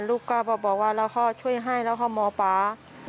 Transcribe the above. ลูกก็บอกว่าแล้วพ่อช่วยให้แล้วพ่อหมอป๊า